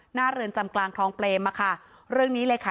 เรือนจำกลางคลองเปรมอ่ะค่ะเรื่องนี้เลยค่ะ